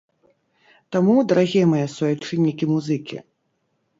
Таму, дарагія мае суайчыннікі-музыкі!